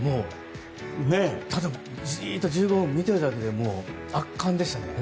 ただじっと１５分見ているだけでもう、圧巻でしたね。